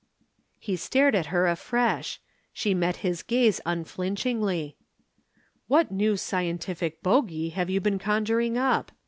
He stared at her afresh she met his gaze unflinchingly. "What new scientific bogie have you been conjuring up."